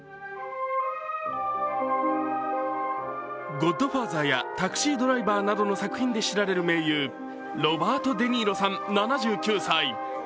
「ゴッドファーザー」や「タクシードライバー」などの作品で知られる名優、ロバート・デ・ニーロさん７９歳。